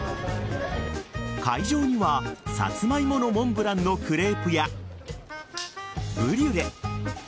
会場にはサツマイモのモンブランのクレープやブリュレ